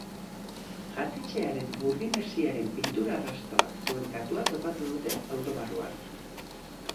Jatetxearen burdin hesiaren pintura arrastoak zuen katua topatu dute auto barruan.